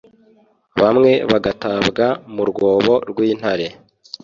bamwe bagatabwa mu rwobo rw’intare